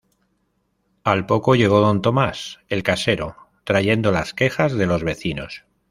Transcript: Al poco llega Don Tomás, el casero, trayendo las quejas de los vecinos.